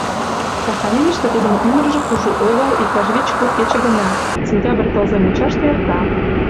Сахалиныште тудын ӱмыржӧ кужу огыл иктаж вич-куд кече гына, сентябрь тылзе мучаште эрта.